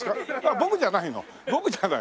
僕じゃない。